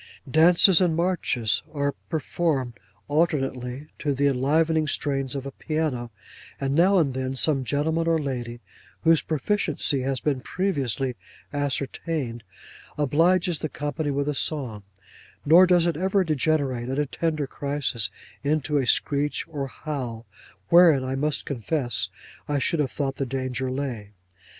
Dances and marches are performed alternately, to the enlivening strains of a piano; and now and then some gentleman or lady (whose proficiency has been previously ascertained) obliges the company with a song: nor does it ever degenerate, at a tender crisis, into a screech or howl; wherein, I must confess, I should have thought the danger lay.